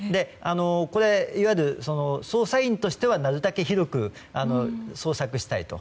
これ、いわゆる捜査員としてはなるたけ広く捜索したいと。